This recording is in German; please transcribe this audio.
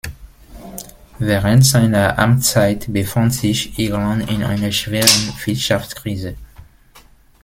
Während seiner Amtszeit befand sich Irland in einer schweren Wirtschaftskrise.